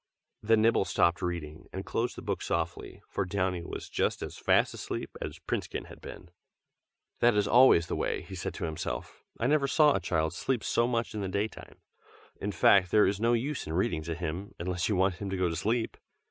'" Then Nibble stopped reading, and closed the book softly, for Downy was just as fast asleep as Princekin had been. "That is always the way!" he said to himself. "I never saw a child sleep so much in the daytime. In fact, there is no use in reading to him, unless you want him to go to sleep.